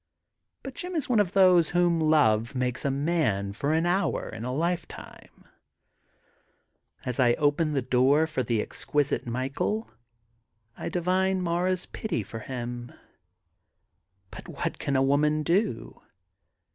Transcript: But Jim is one of those whom love makes a man for an hour in a lifetime. As I open the door for the exquisite Michael, I divine Mara's pity for him. But what can a woman do?